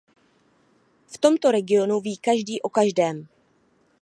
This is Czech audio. V tomto regionu ví každý o každém.